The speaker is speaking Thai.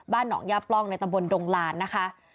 บ้านหนองยาปลองในตำบลดงรานนะคะ